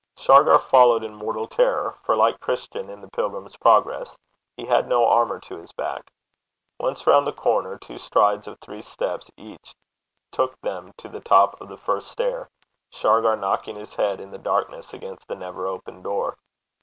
Shargar followed in mortal terror, for, like Christian in The Pilgrim's Progress, he had no armour to his back. Once round the corner, two strides of three steps each took them to the top of the first stair, Shargar knocking his head in the darkness against the never opened door.